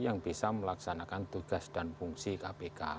yang bisa melaksanakan tugas dan fungsi kpk